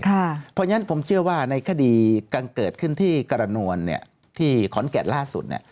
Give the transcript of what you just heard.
เพราะฉะนั้นผมเชื่อว่าในคดีเกิดขึ้นที่กรณวลที่ขอนแก่นล่าสุด